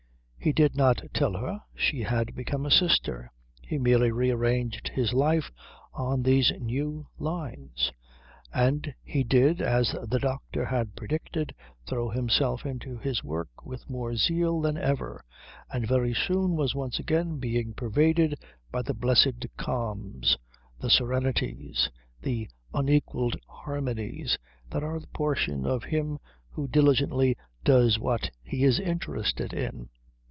He did not tell her she had become a sister; he merely rearranged his life on these new lines; and he did, as the doctor had predicted, throw himself into his work with more zeal than ever, and very soon was once again being pervaded by the blessed calms, the serenities, the unequalled harmonies that are the portion of him who diligently does what he is interested in.